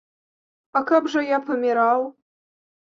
А каб жа я паміраў?